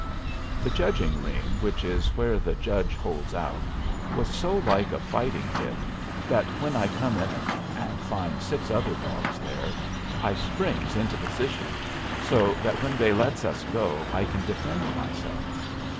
The judging ring, which is where the judge holds out, was so like a fighting pit that when I come in it, and find six other dogs there, I springs into position, so that when they lets us go I can defend myself.